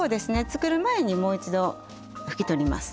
作る前にもう一度拭き取ります。